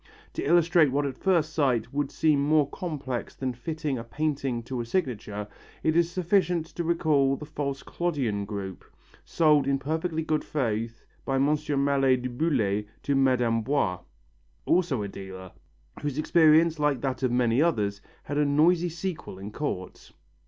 To illustrate what at first sight would seem more complex than fitting a painting to a signature, it is sufficient to recall the false Clodion group, sold in perfectly good faith by M. Maillet du Boullay to Mme. Boiss, also a dealer, whose experience, like that of many others, had a noisy sequel in Court.